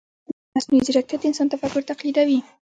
مصنوعي ځیرکتیا د انسان تفکر تقلیدوي.